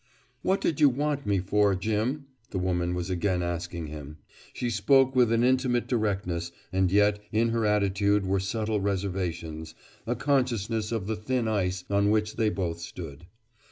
"What did you want me for, Jim?" the woman was again asking him. She spoke with an intimate directness, and yet in her attitude were subtle reservations, a consciousness of the thin ice on which they both stood.